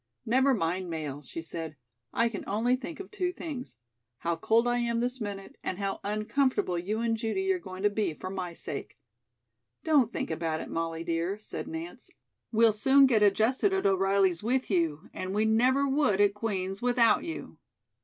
"Never mind mail," she said. "I can only think of two things. How cold I am this minute, and how uncomfortable you and Judy are going to be for my sake." "Don't think about it, Molly, dear," said Nance. "We'll soon get adjusted at O'Reilly's with you, and we never would at Queen's without you."